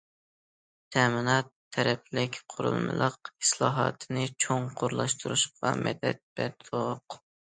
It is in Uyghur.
تەمىنات تەرەپلىك قۇرۇلمىلىق ئىسلاھاتنى چوڭقۇرلاشتۇرۇشقا مەدەت بەردۇق.